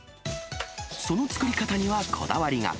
その作り方にはこだわりが。